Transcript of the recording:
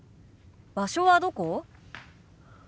場所はどこ？